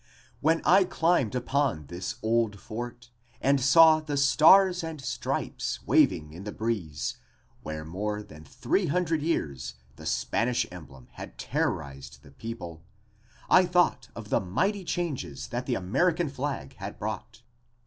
When I climbed upon this old fort and saw the stars and stripes waving in the breeze, where for more than three hundred years the Spanish emblem had terrorized the people, I thought of the mighty changes that the American flag had brought.